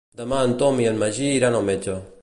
Demà en Tom i en Magí iran al metge.